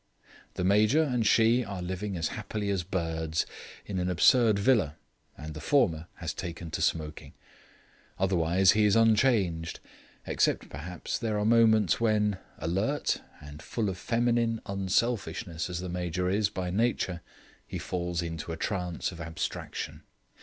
The Major and she are living as happily as birds, in an absurd villa, and the former has taken to smoking. Otherwise he is unchanged except, perhaps, there are moments when, alert and full of feminine unselfishness as the Major is by nature, he falls into a trance of abstraction.